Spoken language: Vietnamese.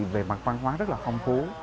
về mặt văn hóa rất là phong phú